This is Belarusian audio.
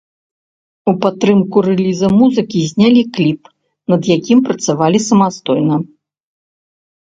У падтрымку рэліза музыкі знялі кліп, над якім працавалі самастойна.